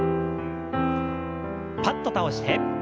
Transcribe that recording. パッと倒して。